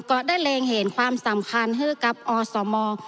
ก็ได้เรียนเห็นความสำคัญกับอสมอ